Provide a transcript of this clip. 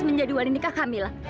menjadi wali nikah kamila